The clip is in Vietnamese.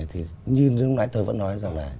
thì như lúc nãy tôi vẫn nói rằng là